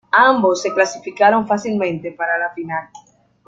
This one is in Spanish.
Ambos se clasificaron fácilmente para la final.